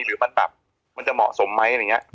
หรือมันแบบมันจะเหมาะสมไหมอะไรอย่างนี้